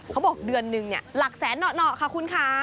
เขาบอกเดือนนึงหลักแสนหน่อค่ะคุณค่ะ